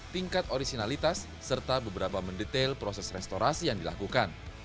tingkat originalitas serta beberapa mendetail proses restorasi yang dilakukan